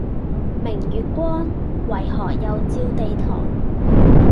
明月光，為何又照地堂